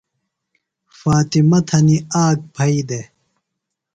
فاطمہ تھنیۡ آک پھئی دےۡ۔